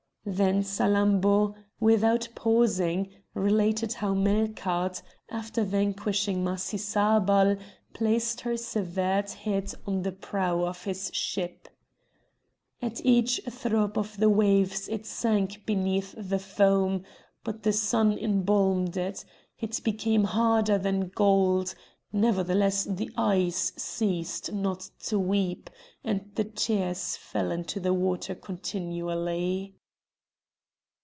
Then Salammbô, without pausing, related how Melkarth, after vanquishing Masisabal, placed her severed head on the prow of his ship. "At each throb of the waves it sank beneath the foam, but the sun embalmed it; it became harder than gold; nevertheless the eyes ceased not to weep, and the tears fell into the water continually."